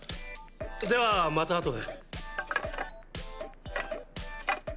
ではまたあとで。